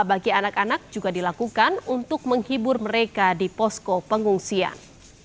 bagi anak anak juga dilakukan untuk menghibur mereka di posko pengungsian